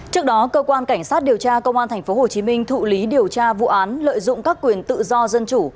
trước đó cơ quan cảnh sát điều tra công an tp hcm thụ lý điều tra vụ án lợi dụng các quyền tự do dân chủ